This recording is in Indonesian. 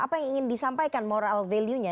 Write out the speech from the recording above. apa yang ingin disampaikan moral value nya